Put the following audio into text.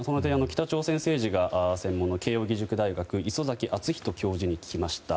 北朝鮮政治が専門の慶應義塾大学礒崎敦仁教授に聞きました。